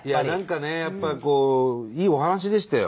やっぱりこういいお話でしたよ